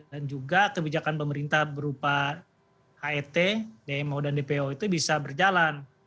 dan juga kebijakan pemerintah berupa hit dmo dan dpo itu bisa berjalan